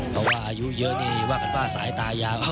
เพราะว่าอายุเยอะนี่ว่ากันว่าสายตายาว